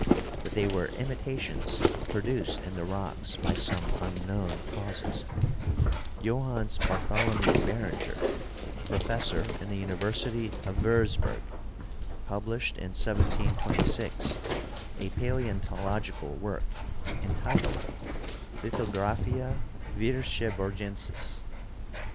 that they were imitations produced in the rocks by some unknown causes. Johannes Bartholomew Beringer, a professor in the University of Wiirzburg, published in 1726 a paleontological work entitled "Lithographia Wiirceburgensis."